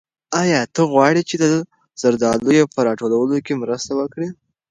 آیا ته غواړې چې د زردالیو په راټولولو کې مرسته وکړې؟